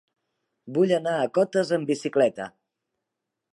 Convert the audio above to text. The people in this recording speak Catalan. Vull anar a Cotes amb bicicleta.